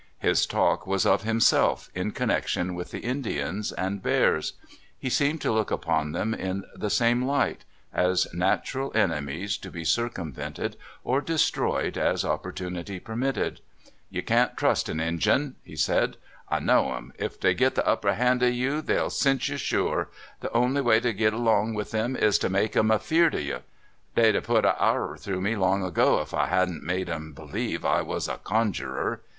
His talk was of himself, in connection with Indians and bears. He seemed to look upon them in the same light — as natural enemies, to be circumvented or destroyed as opportunity permitted. "You can't trust an Injun," he said; "I know 'em. If they git the upper hand of you, they '11 cinch you, sure. The only way to git along with 'em is to make 'em afeard of you. They 'd put a arrer through me long ago if I had n't made 'em believe I was a conjurer.